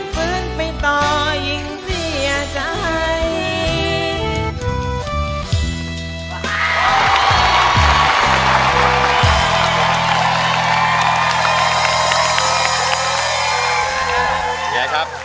เพิ่งไปต่อยิ่งเบียดใจ